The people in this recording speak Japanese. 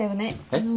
あの。